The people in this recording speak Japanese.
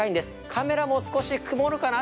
カメラも少し曇るかな？